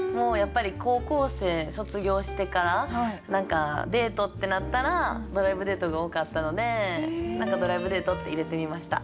高校生卒業してからデートってなったらドライブデートが多かったので「ドライブデート」って入れてみました。